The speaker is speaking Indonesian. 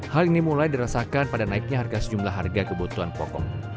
hal ini mulai dirasakan pada naiknya harga sejumlah harga kebutuhan pokok